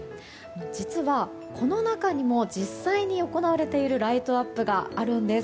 実は、この中にも実際に行われているライトアップがあるんです。